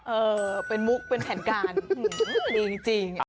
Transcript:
เออเป็นมุกเป็นแผนการดีจริง